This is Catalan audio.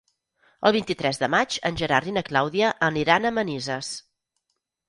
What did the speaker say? El vint-i-tres de maig en Gerard i na Clàudia aniran a Manises.